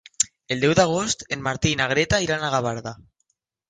El deu d'agost en Martí i na Greta iran a Gavarda.